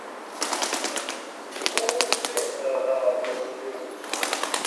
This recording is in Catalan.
Com ho puc fer per anar a l'Arboç dilluns?